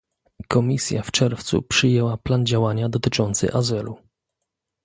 Komisja w czerwcu przyjęła plan działania dotyczący azylu